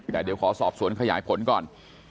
แต่เดี๋ยวขอสอบสวนขยายผลก่อน